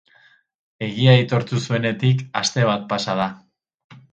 Egia aitortu zuenetik aste bat pasa da.